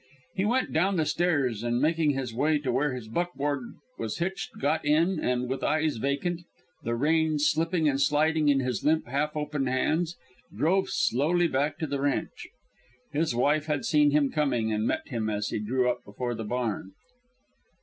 He went down the stairs, and making his way to where his buckboard was hitched, got in, and, with eyes vacant, the reins slipping and sliding in his limp, half open hands, drove slowly back to the ranch. His wife had seen him coming, and met him as he drew up before the barn.